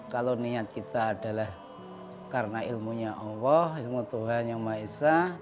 kalau niat kita adalah karena ilmunya allah ilmu tuhan yang maha esa